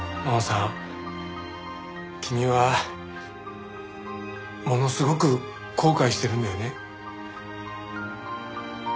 真央さん君はものすごく後悔してるんだよね。